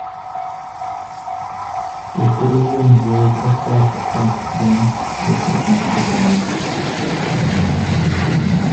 Tertullian wrote a tract against them which has not survived.